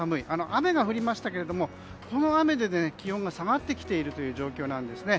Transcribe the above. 雨が降りましたけどこの雨で気温が下がってきているという状況なんですね。